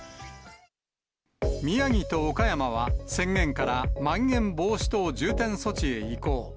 宮城と岡山は宣言からまん延防止等重点措置へ移行。